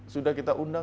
sudah kita ubah